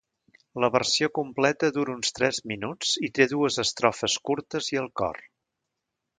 La versió completa dura uns tres minuts i té dues estrofes curtes i el cor.